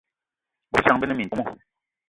Bôbejang be ne metom